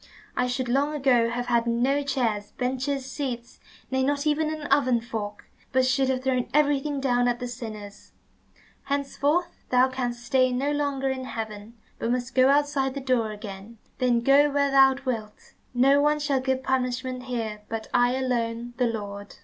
I should long ago have had no chairs, benches, seats, nay, not even an oven fork, but should have thrown everything down at the sinners. Henceforth thou canst stay no longer in heaven, but must go outside the door again. Then go where thou wilt. No one shall give punishment here, but I alone, the Lord."